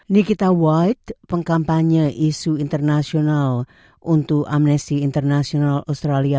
nikita white pengkampanye isu internasional untuk amnesty international australia